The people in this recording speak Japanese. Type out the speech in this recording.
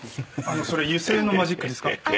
それ油性のマジックですか？